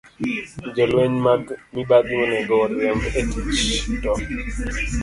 Jolweny mag mibadhi onego oriemb e tich, to